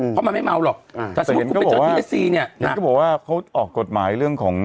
เพราะมันไม่เมาหรอกแต่ถ้าเป็นเนี้ยน่ะเจอบอกว่าเขาออกกฎหมายเรื่องของ